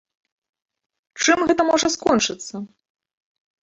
Чым гэта можа скончыцца?